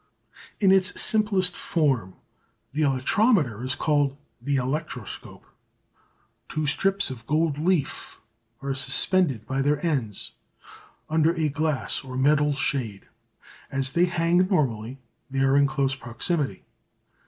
In its simplest form the electrometer is called the "electroscope." Two strips of gold leaf are suspended by their ends under a glass or metal shade. As they hang normally they are in close proximity.